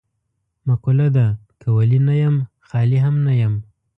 مقوله ده: که ولي نه یم خالي هم نه یم.